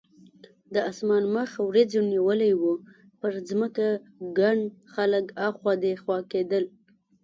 د اسمان مخ وریځو نیولی و، پر ځمکه ګڼ خلک اخوا دیخوا کېدل.